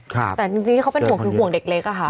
แต่จริงที่เขาเป็นห่วงคือห่วงเด็กเล็กอะค่ะ